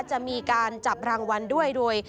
จะมีการจับรางวัลด้วยโดย